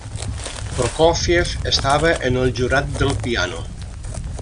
Prokófiev estava en el jurat del piano.